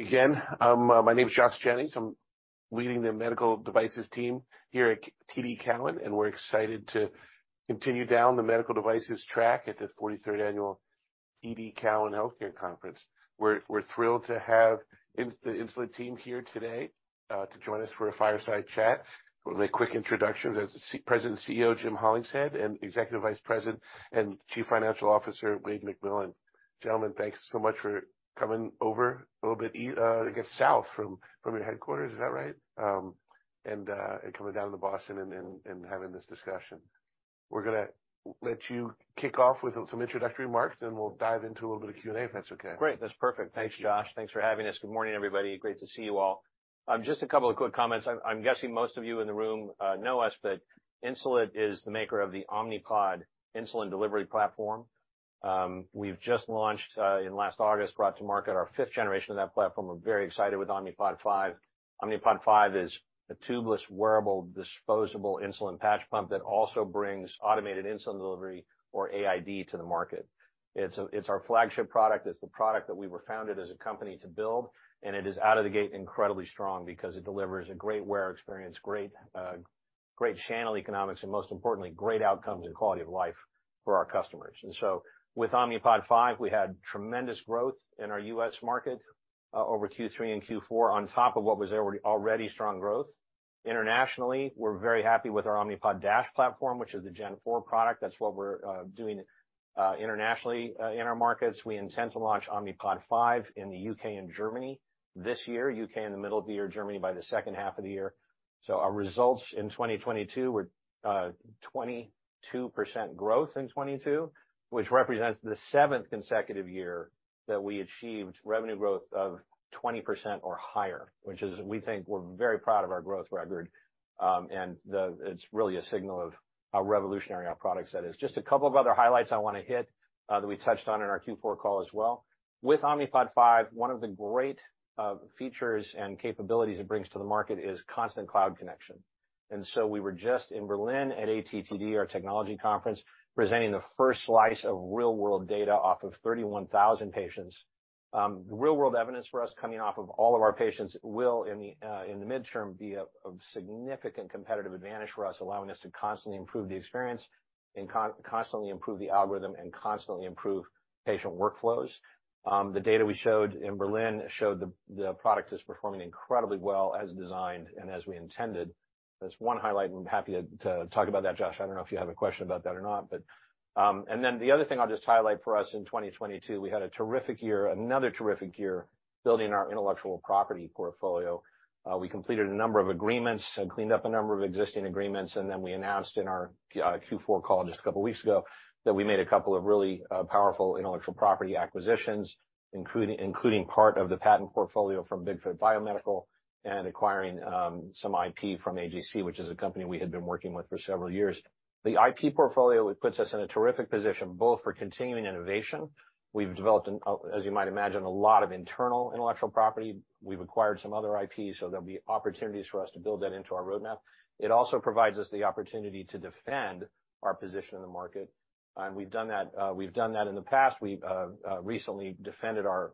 Again, my name is Josh Jennings. I'm leading the medical devices team here at TD Cowen, and we're excited to continue down the Medical Devices Track at the 43rd Annual TD Cowen Health Care Conference. We're thrilled to have Insulet team here today to join us for a fireside chat. With a quick introduction, that's President CEO, Jim Hollingshead, and Executive Vice President and Chief Financial Officer, Wayde McMillan. Gentlemen, thanks so much for coming over a little bit, I guess, south from your headquarters. Is that right? Coming down to Boston and having this discussion. We're gonna let you kick off with some introductory remarks, then we'll dive into a little bit of Q&A, if that's okay. Great. That's perfect. Thank you. Thanks, Josh. Thanks for having us. Good morning, everybody. Great to see you all. Just a couple of quick comments. I'm guessing most of you in the room know us. Insulet is the maker of the Omnipod insulin delivery platform. We've just launched in last August, brought to market our 5th generation of that platform. We're very excited with Omnipod 5. Omnipod 5 is a tubeless, wearable, disposable insulin patch pump that also brings automated insulin delivery, or AID, to the market. It's our flagship product. It's the product that we were founded as a company to build. It is out of the gate incredibly strong because it delivers a great wear experience, great channel economics, and most importantly, great outcomes and quality of life for our customers. With Omnipod 5, we had tremendous growth in our U.S. market over Q3 and Q4 on top of what was already strong growth. Internationally, we're very happy with our Omnipod DASH platform, which is the Gen 4 product. That's what we're doing internationally in our markets. We intend to launch Omnipod 5 in the U.K. and Germany this year. U.K. in the middle of the year, Germany by the second half of the year. Our results in 2022 were 22% growth in 2022, which represents the seventh consecutive year that we achieved revenue growth of 20% or higher, we think we're very proud of our growth record. It's really a signal of how revolutionary our product set is. Just a couple of other highlights I wanna hit, that we touched on in our Q4 call as well. With Omnipod 5, one of the great features and capabilities it brings to the market is constant cloud connection. We were just in Berlin at ATTD, our technology conference, presenting the first slice of real world data off of 31,000 patients. The real world evidence for us coming off of all of our patients will, in the midterm, be a significant competitive advantage for us, allowing us to constantly improve the experience and constantly improve the algorithm and constantly improve patient workflows. The data we showed in Berlin showed the product is performing incredibly well as designed and as we intended. That's one highlight, and I'm happy to talk about that, Josh. I don't know if you have a question about that or not. The other thing I'll just highlight for us in 2022, we had a terrific year, another terrific year building our intellectual property portfolio. We completed a number of agreements and cleaned up a number of existing agreements. We announced in our Q4 call just a couple of weeks ago that we made a couple of really powerful intellectual property acquisitions, including part of the patent portfolio from Bigfoot Biomedical and acquiring some IP from AGC, which is a company we had been working with for several years. The IP portfolio, it puts us in a terrific position, both for continuing innovation. We've developed, as you might imagine, a lot of internal intellectual property. We've acquired some other IPs, so there'll be opportunities for us to build that into our roadmap. It also provides us the opportunity to defend our position in the market, and we've done that. We've done that in the past. We've recently defended our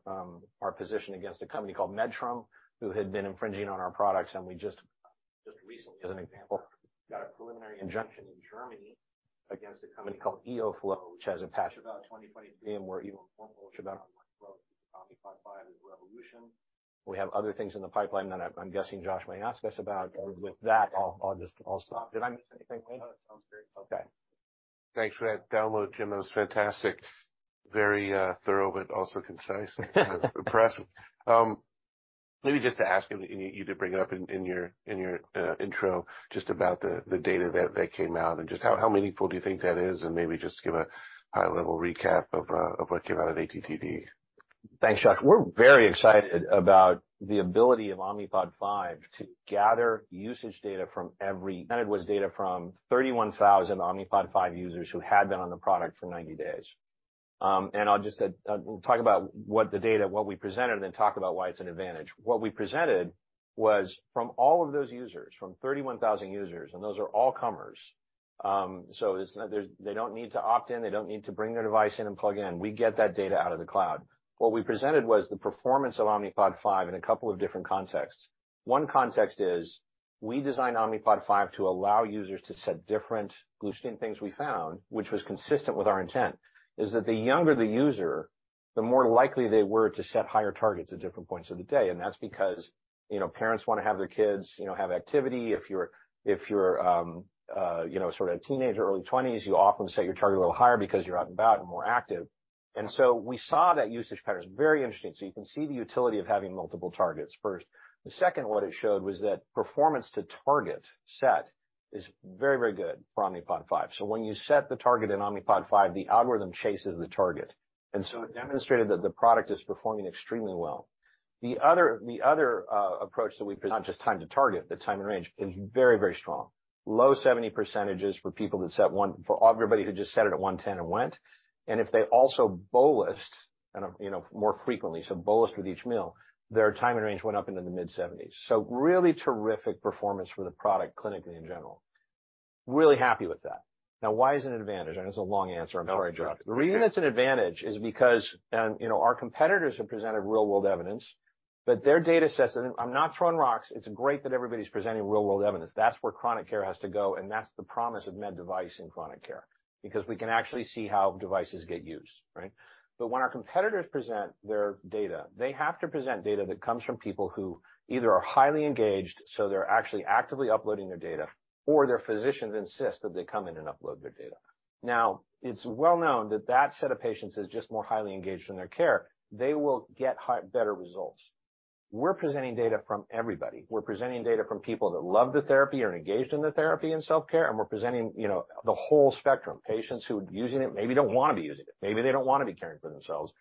position against a company called Medtrum who had been infringing on our products. We just recently, as an example, got a preliminary injunction in Germany against a company called EOFlow, which has EOPatch about 2023, and we're even more bullish about our growth with the Omnipod 5 as a revolution. We have other things in the pipeline that I'm guessing Josh may ask us about. With that, I'll just stop. Did I miss anything, Wayde? That sounds great. Okay. Thanks for that download, Jim. That was fantastic. Very thorough, but also concise. Impressive. Maybe just to ask you, and you did bring it up in your intro, just about the data that came out and just how meaningful do you think that is? Maybe just give a high level recap of what came out of ATTD. Thanks, Josh. We're very excited about the ability of Omnipod 5 to gather usage data from every... It was data from 31,000 Omnipod 5 users who had been on the product for 90 days. I'll just talk about what the data, what we presented, and then talk about why it's an advantage. What we presented was from all of those users, from 31,000 users, and those are all comers. They don't need to opt in. They don't need to bring their device in and plug in. We get that data out of the cloud. What we presented was the performance of Omnipod 5 in a couple of different contexts. One context is we designed Omnipod 5 to allow users to set different glucose... Things we found, which was consistent with our intent, is that the younger the user, the more likely they were to set higher targets at different points of the day. That's because, you know, parents wanna have their kids, you know, have activity. If you're, you know, sort of a teenager, early 20s, you often set your target a little higher because you're out and about and more active. We saw that usage pattern. It's very interesting. You can see the utility of having multiple targets first. The second, what it showed was that performance to target set is very, very good for Omnipod 5. When you set the target in Omnipod 5, the algorithm chases the target. It demonstrated that the product is performing extremely well. The other approach that we. Not just time to target, but time and range is very, very strong. Low 70% for everybody who just set it at 110 and went. If they also bolused and, you know, more frequently, so bolused with each meal, their time and range went up into the mid-70s. Really terrific performance for the product clinically in general. Really happy with that. Now, why is it an advantage? I know it's a long answer. I'm sorry, Josh. The reason it's an advantage is because, you know, our competitors have presented real-world evidence, but their data sets. I'm not throwing rocks. It's great that everybody's presenting real-world evidence. That's where chronic care has to go, and that's the promise of med device in chronic care, because we can actually see how devices get used, right? When our competitors present their data, they have to present data that comes from people who either are highly engaged, so they're actually actively uploading their data, or their physicians insist that they come in and upload their data. It's well known that that set of patients is just more highly engaged in their care. They will get better results. We're presenting data from everybody. We're presenting data from people that love the therapy, are engaged in the therapy and self-care, and we're presenting, you know, the whole spectrum. Patients who are using it maybe don't wanna be using it. Maybe they don't wanna be caring for themselves.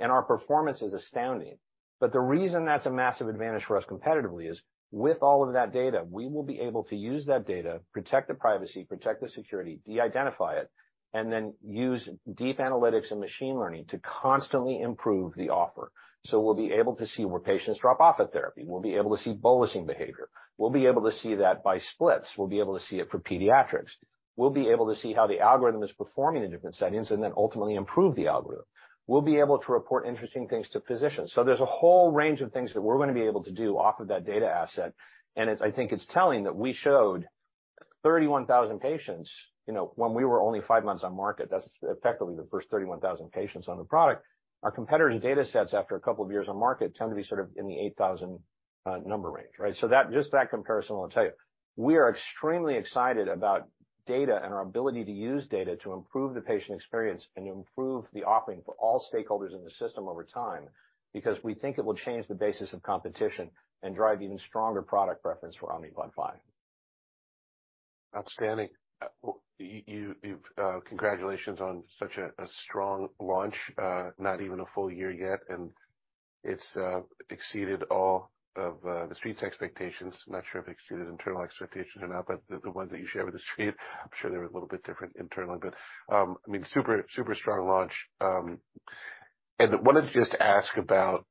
Our performance is astounding. The reason that's a massive advantage for us competitively is with all of that data, we will be able to use that data, protect the privacy, protect the security, de-identify it, and then use deep analytics and machine learning to constantly improve the offer. We'll be able to see where patients drop off of therapy. We'll be able to see bolusing behavior. We'll be able to see that by splits. We'll be able to see it for pediatrics. We'll be able to see how the algorithm is performing in different settings, and then ultimately improve the algorithm. We'll be able to report interesting things to physicians. There's a whole range of things that we're gonna be able to do off of that data asset. It's I think it's telling that we showed 31,000 patients, you know, when we were only five months on market. That's effectively the first 31,000 patients on the product. Our competitors' data sets after a couple of years on market tend to be sort of in the 8,000 number range, right? Just that comparison will tell you. We are extremely excited about data and our ability to use data to improve the patient experience and improve the offering for all stakeholders in the system over time, because we think it will change the basis of competition and drive even stronger product preference for Omnipod 5. Outstanding. Well, congratulations on such a strong launch. Not even a full year yet, and it's exceeded all of the street's expectations. Not sure if it exceeded internal expectations or not, but the ones that you share with the street, I'm sure they're a little bit different internally. I mean, super strong launch. Wanted to just ask about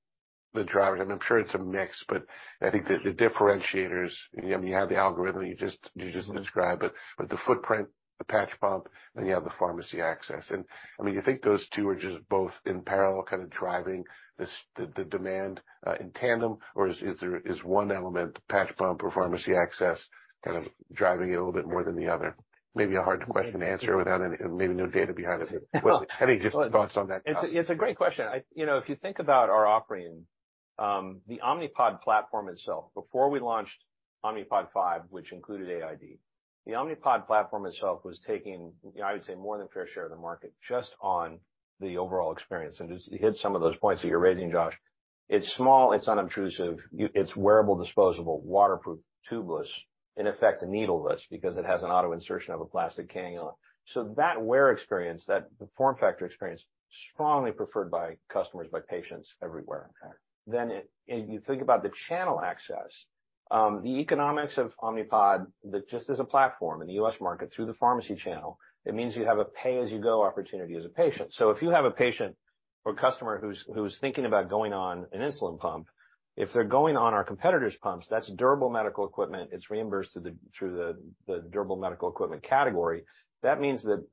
the drivers. I mean, I'm sure it's a mix, but I think the differentiators, you know, you have the algorithm that you just described. The footprint, the patch pump, then you have the pharmacy access. I mean, you think those two are just both in parallel kind of driving this the demand in tandem? Is there one element, the patch pump or pharmacy access kind of driving it a little bit more than the other? Maybe a hard question to answer without any maybe no data behind it. Any just thoughts on that topic? It's a, it's a great question. You know, if you think about our offering, the Omnipod platform itself, before we launched Omnipod 5, which included AID, the Omnipod platform itself was taking, you know, I would say more than fair share of the market just on the overall experience. To hit some of those points that you're raising, Josh. It's small, it's unobtrusive, it's wearable, disposable, waterproof, tubeless, in effect needleless because it has an auto insertion of a plastic cannula. That wear experience, that form factor experience, strongly preferred by customers, by patients everywhere. You think about the channel access. The economics of Omnipod, just as a platform in the U.S. market through the pharmacy channel, it means you have a pay-as-you-go opportunity as a patient. If you have a patient or customer who's thinking about going on an insulin pump, if they're going on our competitors' pumps, that's durable medical equipment. It's reimbursed through the durable medical equipment category. That means that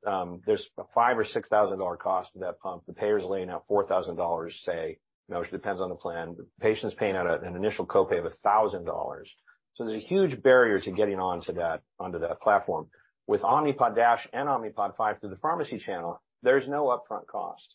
there's a $5,000 or $6,000 cost of that pump. The payer's laying out $4,000, say, you know, it depends on the plan. The patient's paying out an initial copay of $1,000. There's a huge barrier to getting onto that platform. With Omnipod DASH and Omnipod 5 through the pharmacy channel, there's no upfront cost.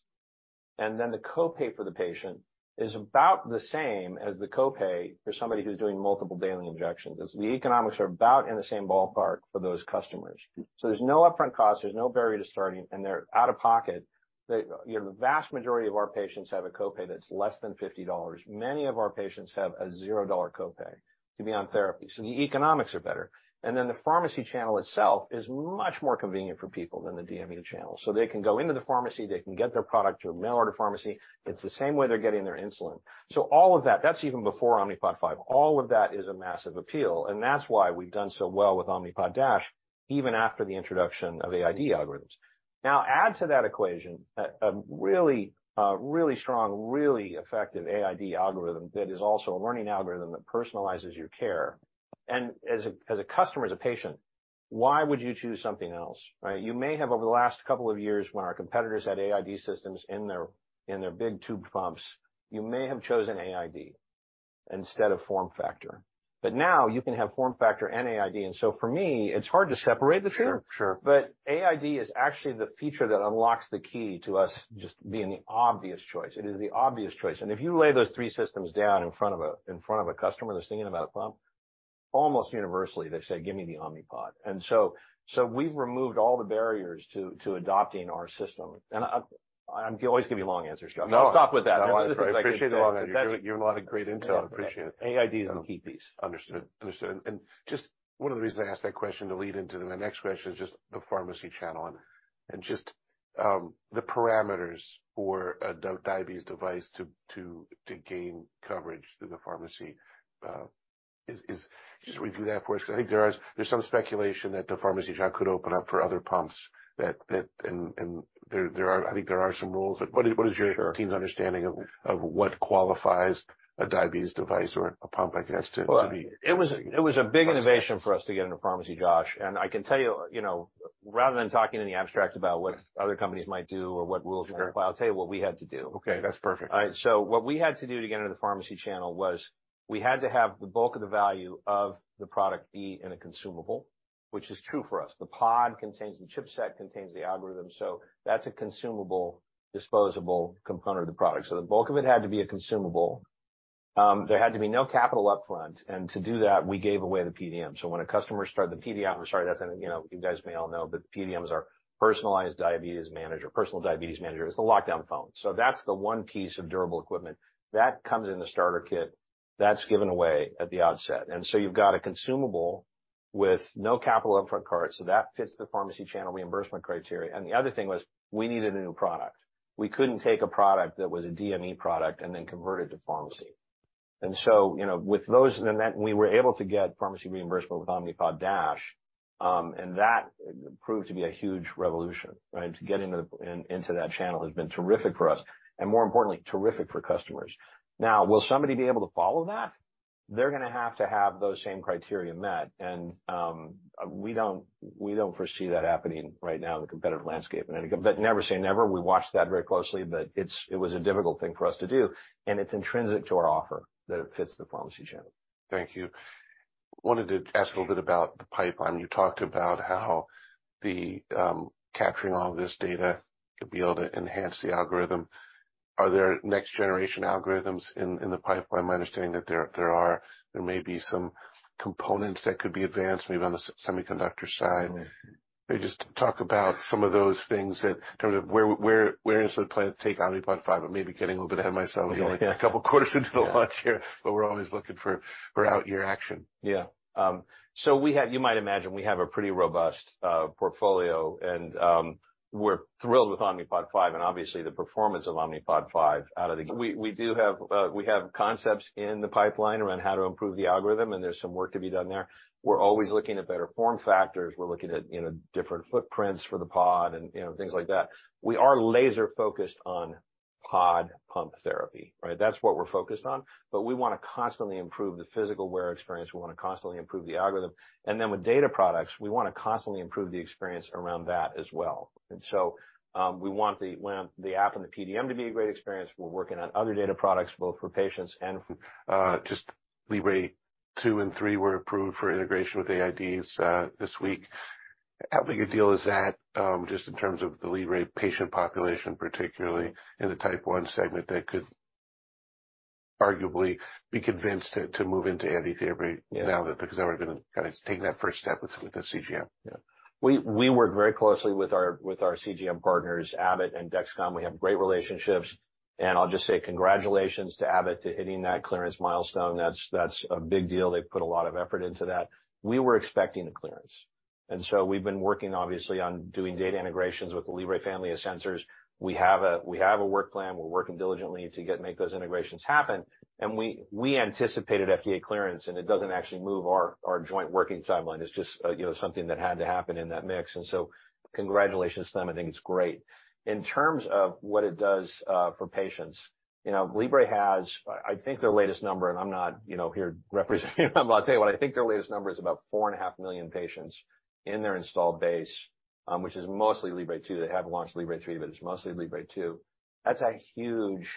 Then the copay for the patient is about the same as the copay for somebody who's doing multiple daily injections. The economics are about in the same ballpark for those customers. There's no upfront cost, there's no barrier to starting, and their out-of-pocket, you know, the vast majority of our patients have a copay that's less than $50. Many of our patients have a $0 copay to be on therapy. The economics are better. The pharmacy channel itself is much more convenient for people than the DME channel. They can go into the pharmacy, they can get their product or mail order pharmacy. It's the same way they're getting their insulin. All of that's even before Omnipod 5. All of that is a massive appeal, and that's why we've done so well with Omnipod DASH, even after the introduction of AID algorithms. Now add to that equation a really strong, really effective AID algorithm that is also a learning algorithm that personalizes your care. As a, as a customer, as a patient, why would you choose something else, right? You may have over the last couple of years, when our competitors had AID systems in their, in their big tube pumps, you may have chosen AID instead of form factor. Now you can have form factor and AID. For me, it's hard to separate the two. Sure. Sure. AID is actually the feature that unlocks the key to us just being the obvious choice. It is the obvious choice. If you lay those three systems down in front of a customer that's thinking about a pump, almost universally, they say, "Give me the Omnipod." We've removed all the barriers to adopting our system. I, you'll always give you long answers, Josh. I'll stop with that. No, I appreciate the long answer. You're a lot of great intel. Appreciate it. AID is the key piece. Understood. Understood. Just one of the reasons I asked that question to lead into the next question is just the pharmacy channel and just the parameters for a diabetes device to gain coverage through the pharmacy. Is just review that for us, because I think there's some speculation that the pharmacy channel could open up for other pumps that and there are I think there are some rules. What is your- Sure. team's understanding of what qualifies a diabetes device or a pump, I guess, to be. Well, it was a big innovation for us to get into pharmacy, Josh. I can tell you know, rather than talking in the abstract about what other companies might do or what rules, I'll tell you what we had to do. Okay, that's perfect. All right. What we had to do to get into the pharmacy channel was we had to have the bulk of the value of the product be in a consumable, which is true for us. The pod contains the chipset, contains the algorithm, so that's a consumable, disposable component of the product. The bulk of it had to be a consumable. There had to be no capital upfront. To do that, we gave away the PDM. When a customer started the PDM... I'm sorry, you know, you guys may all know, but PDMs are personalized diabetes manager, personal diabetes manager. It's a locked-down phone. That's the one piece of durable equipment. That comes in the starter kit, that's given away at the onset. You've got a consumable with no capital upfront cost, so that fits the pharmacy channel reimbursement criteria. The other thing was, we needed a new product. We couldn't take a product that was a DME product and then convert it to pharmacy. You know, and then we were able to get pharmacy reimbursement with Omnipod DASH, and that proved to be a huge revolution, right? To get into that channel has been terrific for us, and more importantly, terrific for customers. Now, will somebody be able to follow that? They're gonna have to have those same criteria met. We don't foresee that happening right now in the competitive landscape in any... Never say never. We watch that very closely. It was a difficult thing for us to do, and it's intrinsic to our offer that it fits the pharmacy channel. Thank you. Wanted to ask a little bit about the pipeline. You talked about how the capturing all of this data to be able to enhance the algorithm. Are there next generation algorithms in the pipeline? My understanding that there are. There may be some components that could be advanced, maybe on the semiconductor side. Mm-hmm. Maybe just talk about some of those things in terms of where does the plan take Omnipod 5? Maybe getting a little bit ahead of myself. Yeah. We're only a couple quarters into the watch year. Yeah. We're always looking for outyear action. Yeah. You might imagine, we have a pretty robust portfolio and we're thrilled with Omnipod 5 and obviously the performance of Omnipod 5. We do have concepts in the pipeline around how to improve the algorithm, and there's some work to be done there. We're always looking at better form factors. We're looking at, you know, different footprints for the pod and, you know, things like that. We are laser focused on pod pump therapy, right? That's what we're focused on. We wanna constantly improve the physical wear experience. We wanna constantly improve the algorithm. With data products, we wanna constantly improve the experience around that as well. We want the app and the PDM to be a great experience. We're working on other data products both for patients and for-. Just Libre 2 and 3 were approved for integration with AIDs, this week. How big a deal is that, just in terms of the Libre patient population, particularly in the type 1 segment that could arguably be convinced to move into AID therapy. Yeah. Now that, because they were gonna kinda take that first step with the CGM. Yeah. We work very closely with our CGM partners, Abbott and Dexcom. We have great relationships. I'll just say congratulations to Abbott to hitting that clearance milestone. That's a big deal. They've put a lot of effort into that. We were expecting the clearance. We've been working obviously on doing data integrations with the Libre family of sensors. We have a work plan. We're working diligently to make those integrations happen. We anticipated FDA clearance, and it doesn't actually move our joint working timeline. It's just, you know, something that had to happen in that mix. Congratulations to them. I think it's great. In terms of what it does for patients, you know, Libre has I think their latest number, and I'm not, you know, here representing them. I'll tell you what, I think their latest number is about 4.5 million patients in their installed base, which is mostly Libre 2. They have launched Libre 3, but it's mostly Libre 2. That's a huge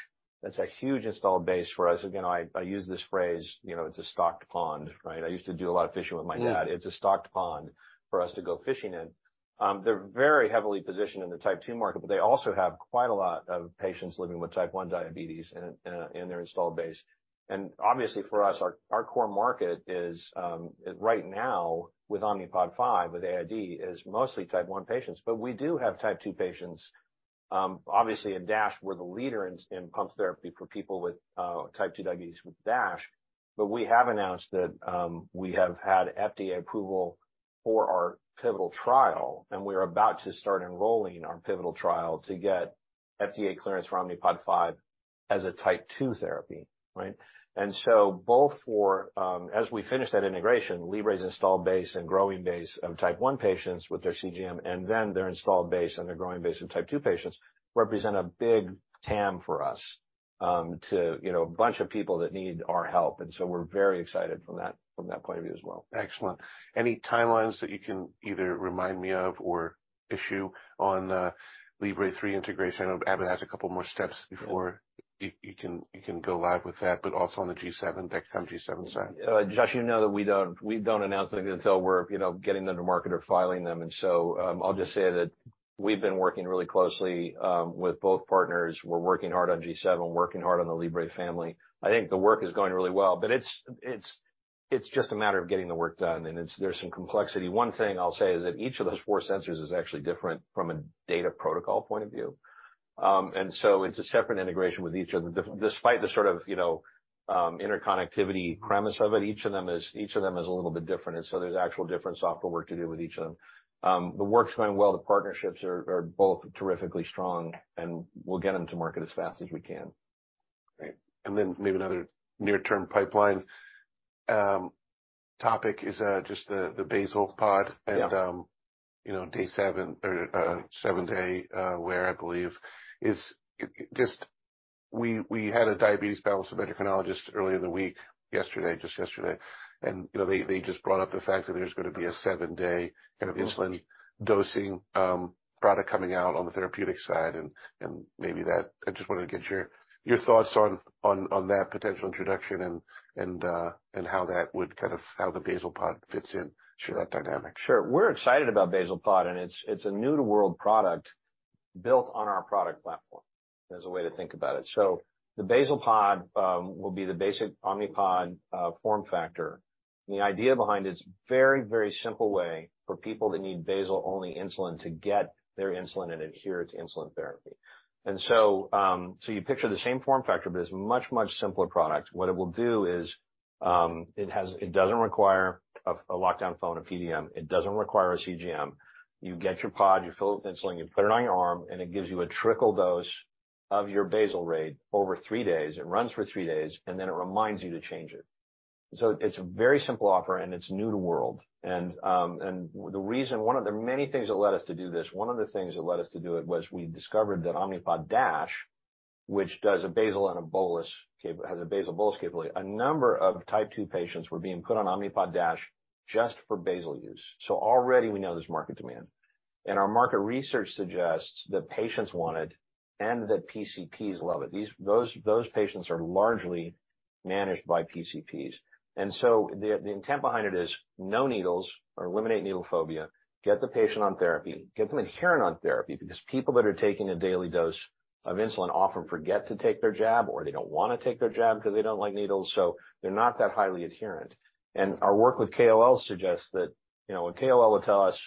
installed base for us. Again, I use this phrase, you know, it's a stocked pond, right? I used to do a lot of fishing with my dad. Mm. It's a stocked pond for us to go fishing in. They're very heavily positioned in the type 2 market, but they also have quite a lot of patients living with type 1 diabetes in their installed base. Obviously for us, our core market is right now with Omnipod 5, with AID, is mostly type 1 patients. We do have type 2 patients. Obviously in DASH, we're the leader in pump therapy for people with type 2 diabetes with DASH. We have announced that we have had FDA approval for our pivotal trial, and we are about to start enrolling our pivotal trial to get FDA clearance for Omnipod 5 as a type 2 therapy, right? Both for. As we finish that integration, Libre's installed base and growing base of type 1 patients with their CGM, and then their installed base and their growing base of type 2 patients represent a big TAM for us, to, you know, a bunch of people that need our help. We're very excited from that, from that point of view as well. Excellent. Any timelines that you can either remind me of or issue on, Libre 3 integration? I know Abbott has a couple more steps. Yeah. You can go live with that, but also on the G7, Dexcom G7 side. Josh, you know that we don't announce anything until we're, you know, getting them to market or filing them. I'll just say that we've been working really closely with both partners. We're working hard on G7, working hard on the Libre family. I think the work is going really well, but it's just a matter of getting the work done, and there's some complexity. One thing I'll say is that each of those four sensors is actually different from a data protocol point of view. It's a separate integration with each of the Despite the sort of, you know, interconnectivity premise of it, each of them is a little bit different, and so there's actual different software work to do with each of them. The work's going well. The partnerships are both terrifically strong, and we'll get them to market as fast as we can. Great. maybe another near-term pipeline, topic is just the basal pod. Yeah. You know, day seven or, seven-day wear, I believe is just we had a diabetes panel with some endocrinologists earlier in the week. Yesterday, just yesterday. You know, they just brought up the fact that there's gonna be a seven-day kind of insulin dosing product coming out on the therapeutic side and maybe that. I just wanted to get your thoughts on that potential introduction and how basal pod fits into that dynamic. We're excited basal pod, it's a new-to-world product built on our product platform as a way to think about it. basal pod will be the basic Omnipod form factor. The idea behind it is very simple way for people that need basal-only insulin to get their insulin and adhere to insulin therapy. You picture the same form factor, but it's a much simpler product. What it will do is, it doesn't require a locked-down phone, a PDM. It doesn't require a CGM. You get your pod, you fill it with insulin, you put it on your arm, it gives you a trickle dose of your basal rate over three days. It runs for three days, then it reminds you to change it. It's a very simple offer, and it's new to world. One of the many things that led us to do this, one of the things that led us to do it was we discovered that Omnipod DASH, which does a basal and a bolus capability, has a basal bolus capability. A number of type 2 patients were being put on Omnipod DASH just for basal use. Already we know there's market demand. Our market research suggests that patients want it and that PCPs love it. These, those patients are largely managed by PCPs. The intent behind it is no needles or eliminate needle phobia, get the patient on therapy, get them adherent on therapy, because people that are taking a daily dose of insulin often forget to take their jab or they don't wanna take their jab because they don't like needles, so they're not that highly adherent. Our work with KOL suggests that, you know, a KOL will tell us,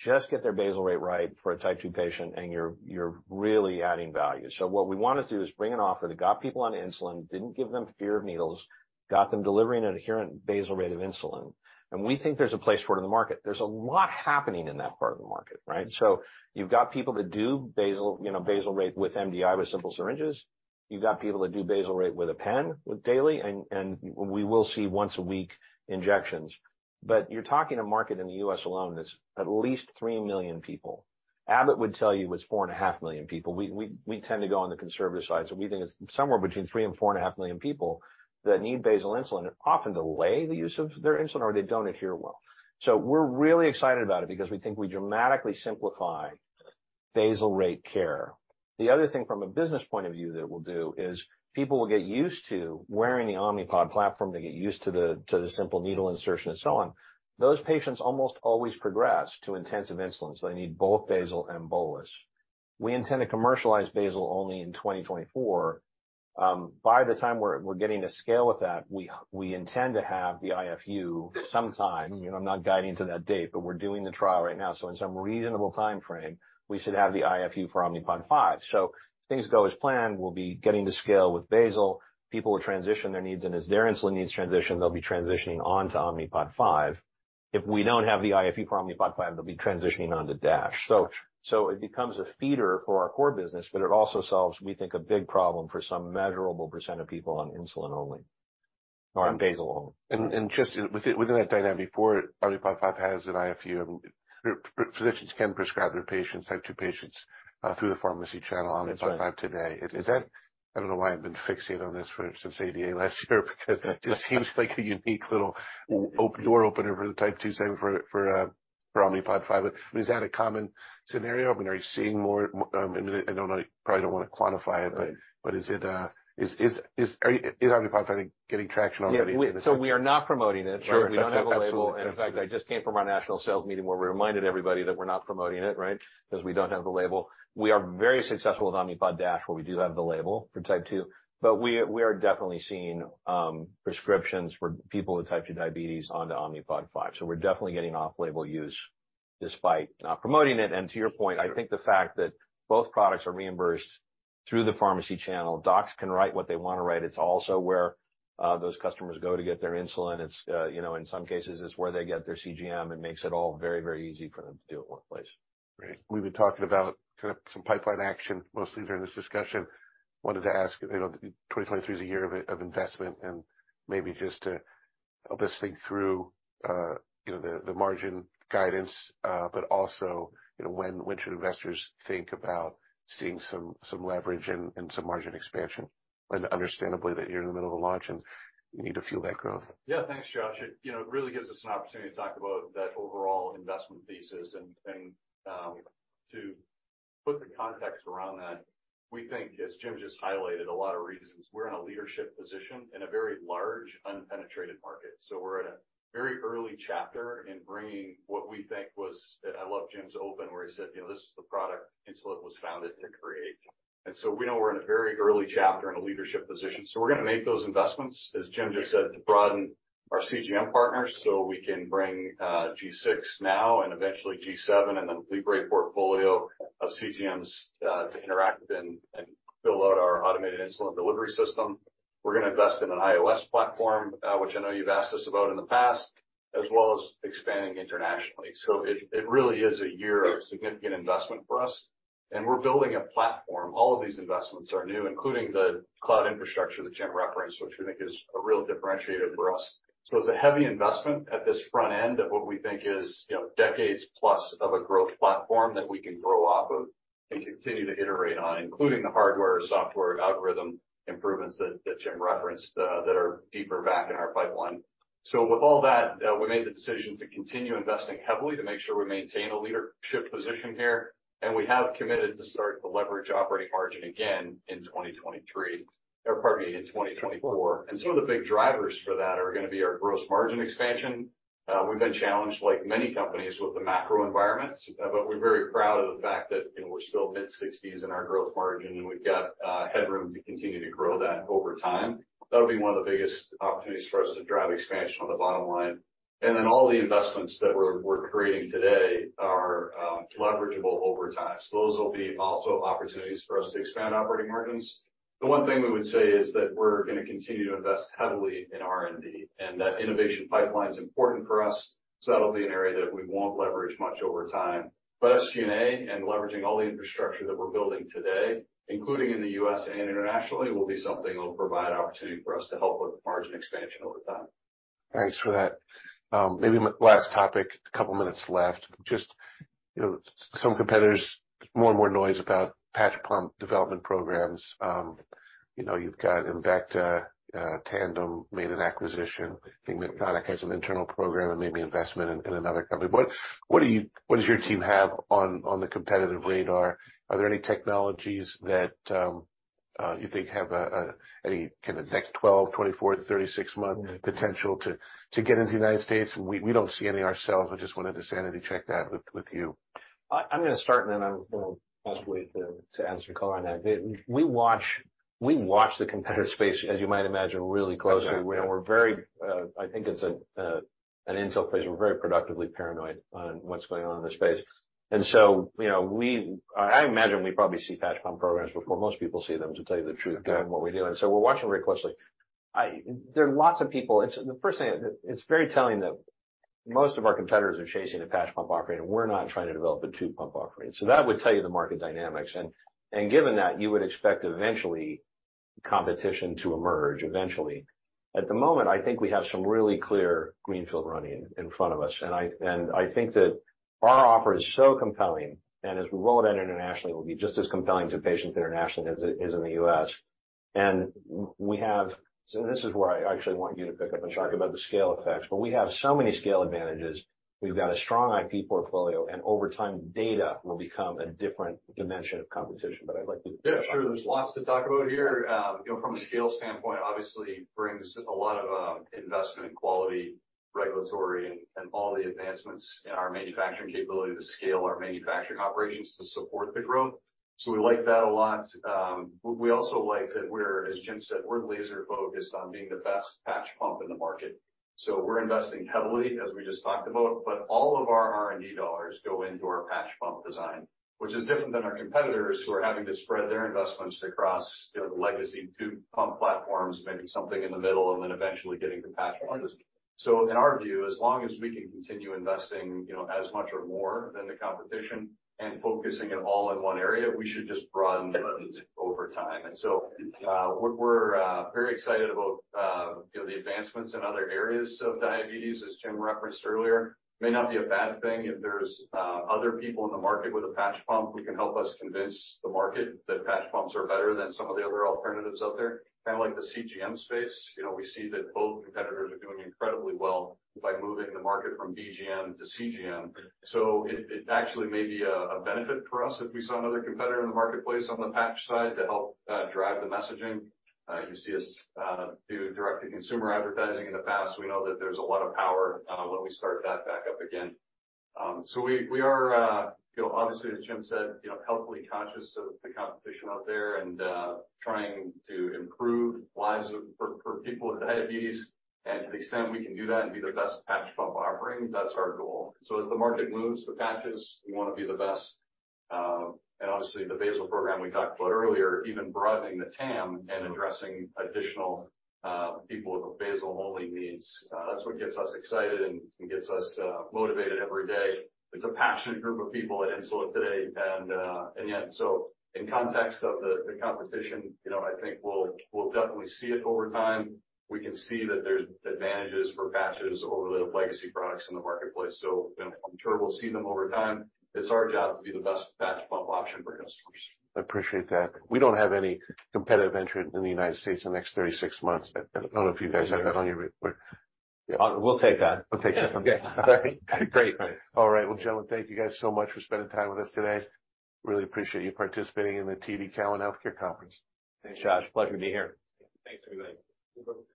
"Just get their basal rate right for a type 2 patient, and you're really adding value." What we wanna do is bring an offer that got people on insulin, didn't give them fear of needles, got them delivering an adherent basal rate of insulin. We think there's a place for it in the market. There's a lot happening in that part of the market, right? You've got people that do basal, you know, basal rate with MDI, with simple syringes. You've got people that do basal rate with a pen with daily, and we will see once-a-week injections. You're talking a market in the U.S. alone that's at least 3 million people. Abbott would tell you it's 4.5 million people. We tend to go on the conservative side, so we think it's somewhere between 3 million and 4.5 million people that need basal insulin and often delay the use of their insulin or they don't adhere well. We're really excited about it because we think we dramatically simplify basal rate care. The other thing from a business point of view that it will do is people will get used to wearing the Omnipod platform. They get used to the simple needle insertion and so on. Those patients almost always progress to intensive insulin, so they need both basal and bolus. We intend to commercialize basal only in 2024. By the time we're getting to scale with that, we intend to have the IFU sometime. You know, I'm not guiding to that date, but we're doing the trial right now. In some reasonable timeframe, we should have the IFU for Omnipod 5. If things go as planned, we'll be getting to scale with basal. People will transition their needs, and as their insulin needs transition, they'll be transitioning on to Omnipod 5. If we don't have the IFU for Omnipod 5, they'll be transitioning on to DASH. It becomes a feeder for our core business, but it also solves, we think, a big problem for some measurable % of people on insulin only or on basal only. Just within that dynamic before Omnipod 5 has an IFU, physicians can prescribe their patients, type 2 patients, through the pharmacy channel Omnipod 5 today. That's right. I don't know why I've been fixated on this for since ADA last year because it just seems like a unique little door opener for the type 2 segment for Omnipod 5. Is that a common scenario? I mean, are you seeing more, I know I probably don't want to quantify it. Right. Is Omnipod finding, getting traction on that even with the type 2? Yeah. We are not promoting it, right? Sure. We don't have a label. Absolutely. In fact, I just came from our national sales meeting where we reminded everybody that we're not promoting it, right? We don't have the label. We are very successful with Omnipod DASH, where we do have the label for type 2. We are definitely seeing prescriptions for people with type 2 diabetes onto Omnipod 5. We're definitely getting off-label use despite not promoting it. To your point, I think the fact that both products are reimbursed through the pharmacy channel, docs can write what they want to write. It's also where those customers go to get their insulin. It's, you know, in some cases, it's where they get their CGM. It makes it all very, very easy for them to do it in one place. Great. We've been talking about kind of some pipeline action mostly during this discussion. Wanted to ask, you know, 2023 is a year of investment and maybe just to help us think through, you know, the margin guidance, but also, you know, when should investors think about seeing some leverage and some margin expansion? Understandably, that you're in the middle of a launch and you need to fuel that growth. Yeah. Thanks, Josh. It, you know, really gives us an opportunity to talk about that overall investment thesis and to put the context around that. We think, as Jim just highlighted a lot of reasons, we're in a leadership position in a very large unpenetrated market. We're at a very early chapter in bringing what we think was. I love Jim's open, where he said, "You know, this is the product Insulet was founded to create." We know we're in a very early chapter in a leadership position. We're gonna make those investments, as Jim just said, to broaden our CGM partners, so we can bring G6 now and eventually G7 and the Libre portfolio of CGMs to interact with and build out our automated insulin delivery system. We're gonna invest in an iOS platform, which I know you've asked us about in the past. As well as expanding internationally. It really is a year of significant investment for us, and we're building a platform. All of these investments are new, including the cloud infrastructure that Jim referenced, which we think is a real differentiator for us. It's a heavy investment at this front end of what we think is, you know, decades plus of a growth platform that we can grow off of and continue to iterate on, including the hardware, software, algorithm improvements that Jim referenced, that are deeper back in our pipeline. With all that, we made the decision to continue investing heavily to make sure we maintain a leadership position here. We have committed to start to leverage operating margin again in 2023, or pardon me, in 2024. Some of the big drivers for that are gonna be our gross margin expansion. We've been challenged, like many companies, with the macro environment, but we're very proud of the fact that, you know, we're still mid-60s in our gross margin, and we've got headroom to continue to grow that over time. That'll be one of the biggest opportunities for us to drive expansion on the bottom line. All the investments that we're creating today are leverageable over time. Those will be also opportunities for us to expand operating margins. The one thing we would say is that we're gonna continue to invest heavily in R&D, and that innovation pipeline is important for us, so that'll be an area that we won't leverage much over time. SG&A and leveraging all the infrastructure that we're building today, including in the U.S. and internationally, will be something that will provide opportunity for us to help with margin expansion over time. Thanks for that. maybe last topic, a couple minutes left. Just, you know, some competitors, more and more noise about patch pump development programs. you know, you've got Embecta, Tandem made an acquisition. I think Medtronic has an internal program and made the investment in another company. What does your team have on the competitive radar? Are there any technologies that, you think have any kind of next 12, 24, 36 month potential to get into the U.S.? We don't see any ourselves. I just wanted to sanity check that with you. I'm gonna start, and then I'm gonna ask Wayde to answer your call on that. We watch the competitive space, as you might imagine, really closely. Exactly, yeah. We're very, I think it's a, at Insulet place, we're very productively paranoid on what's going on in the space. You know, I imagine we probably see patch pump programs before most people see them, to tell you the truth. Okay ...in what we do. We're watching very closely. There are lots of people. The first thing, it's very telling that most of our competitors are chasing a patch pump offering, and we're not trying to develop a tube pump offering. That would tell you the market dynamics. Given that, you would expect eventually competition to emerge eventually. At the moment, I think we have some really clear greenfield running in front of us, and I, and I think that our offer is so compelling, and as we roll it out internationally, it will be just as compelling to patients internationally as it is in the U.S. This is where I actually want you to pick up and talk about the scale effects. We have so many scale advantages. We've got a strong IP portfolio, and over time, data will become a different dimension of competition. I'd like you to talk about that. Yeah, sure. There's lots to talk about here. you know, from a scale standpoint, obviously brings a lot of investment in quality, regulatory, and all the advancements in our manufacturing capability to scale our manufacturing operations to support the growth. We like that a lot. We also like that we're, as Jim said, we're laser-focused on being the best patch pump in the market. We're investing heavily, as we just talked about. All of our R&D dollars go into our patch pump design, which is different than our competitors who are having to spread their investments across, you know, the legacy tube pump platforms, maybe something in the middle, and then eventually getting to patch pumps. In our view, as long as we can continue investing, you know, as much or more than the competition and focusing it all in one area, we should just broaden over time. We're very excited about, you know, the advancements in other areas of diabetes, as Jim referenced earlier. May not be a bad thing if there's other people in the market with a patch pump who can help us convince the market that patch pumps are better than some of the other alternatives out there. Kinda like the CGM space. You know, we see that both competitors are doing incredibly well by moving the market from BGM to CGM. It actually may be a benefit for us if we saw another competitor in the marketplace on the patch side to help drive the messaging. You can see us do direct-to-consumer advertising in the past. We know that there's a lot of power when we start that back up again. We, we are, you know, obviously, as Jim said, you know, healthily conscious of the competition out there and trying to improve lives for people with diabetes. To the extent we can do that and be the best patch pump offering, that's our goal. As the market moves to patches, we wanna be the best. Obviously, the basal program we talked about earlier, even broadening the TAM and addressing additional people with basal-only needs, that's what gets us excited and gets us motivated every day. It's a passionate group of people at Insulet today, and yeah. In context of the competition, you know, I think we'll definitely see it over time. We can see that there's advantages for patches over the legacy products in the marketplace. You know, I'm sure we'll see them over time. It's our job to be the best patch pump option for customers. I appreciate that. We don't have any competitive entrant in the U.S. in the next 36 months. I don't know if you guys have that on your radar? We'll take that. We'll take that. Okay. Great. All right. Well, gentlemen, thank you guys so much for spending time with us today. Really appreciate you participating in the TD Cowen Health Care Conference. Thanks, Josh. Pleasure to be here. Thanks, everybody.